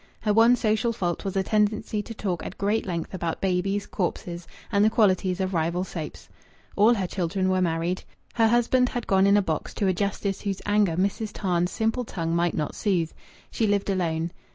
Her one social fault was a tendency to talk at great length about babies, corpses, and the qualities of rival soaps. All her children were married. Her husband had gone in a box to a justice whose anger Mrs. Tam's simple tongue might not soothe. She lived alone.